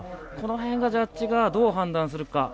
この辺がジャッジがどう判断するか。